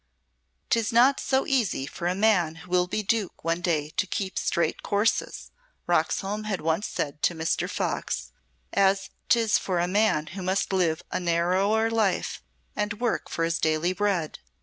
"'Tis not so easy for a man who will be Duke one day to keep straight courses," Roxholm had once said to Mr. Fox, "as 'tis for a man who must live a narrower life and work for his daily bread.